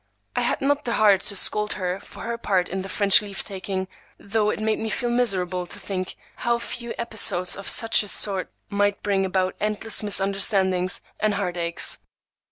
I had not the heart to scold her for her part in the French leave taking, though it made me feel miserable to think how few episodes of such a sort might bring about endless misunderstandings and heart aches.